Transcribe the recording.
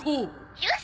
「よし！